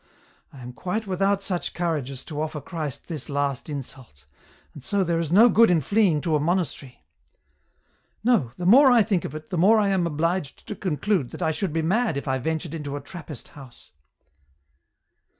I am quite without such courage as to offer Christ this last insult, and so there is no good in fleeing to a monastery. " No ; the more I think of it, the more I am obliged to conclude that I should be mad if I ventured into a Trappist house.